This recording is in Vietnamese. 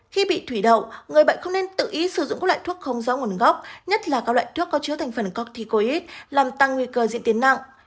khi bị thủy đậu người bệnh không nên tự ý sử dụng các loại thuốc không rõ nguồn gốc nhất là các loại thuốc có chứa thành phần corticoid làm tăng nguy cơ diễn tiến nặng